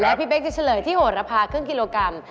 พี่เป๊กจะเฉลยที่โหระพาครึ่งกิโลกรัม